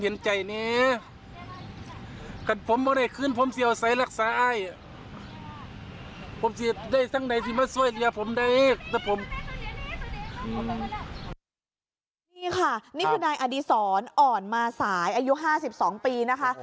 นี่ค่ะนี่คือนายอดีศรอ่อนมาสายอายุ๕๒ปีนะคะ